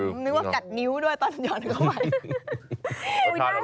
ผมนึกว่ากัดนิ้วด้วยตอนหย่อนเข้าไป